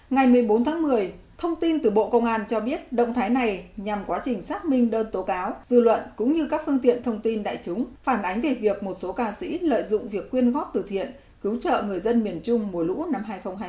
ngày một mươi bốn tháng một mươi thông tin từ bộ công an cho biết động thái này nhằm quá trình xác minh đơn tố cáo dư luận cũng như các phương tiện thông tin đại chúng phản ánh về việc một số ca sĩ lợi dụng việc quyên góp từ thiện cứu trợ người dân miền trung mùa lũ năm hai nghìn hai mươi